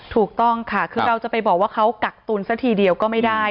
ถูกต้องค่ะคือเราจะไปบอกว่าเขากักตุลซะทีเดียวก็ไม่ได้